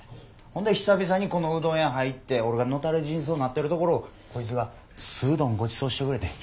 ほんで久々にこのうどん屋入って俺がのたれ死にしそうなってるところをこいつが素うどんごちそうしてくれてん。